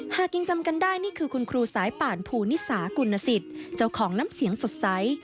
หากยังจำกันได้นี่คือคุณครูสายป่านภูนิสากุณสิทธิ์เจ้าของน้ำเสียงสดใส